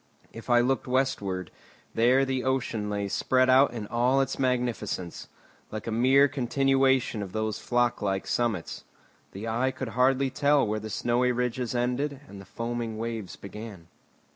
If I looked westward, there the ocean lay spread out in all its magnificence, like a mere continuation of those flock like summits. The eye could hardly tell where the snowy ridges ended and the foaming waves began.